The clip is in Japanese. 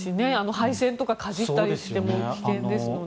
配線とかかじったりして危険ですので。